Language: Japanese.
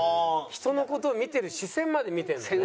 人の事を見てる視線まで見てるんだね。